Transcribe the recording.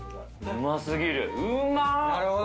うますぎる！